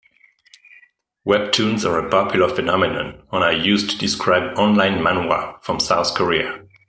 Webtoons are a popular phenomenon and are used to describe online manwha from South-Korea.